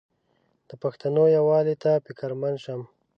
د پښتنو یووالي ته فکرمند شم.